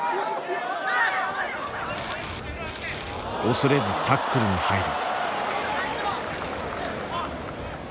恐れずタックルに入る。